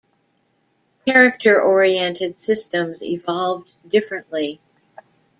Character-oriented systems evolved differently.